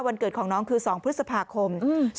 วันเกิดของน้องคือ๒พฤษภาคม๒๕๖